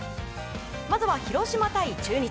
まずは広島対中日。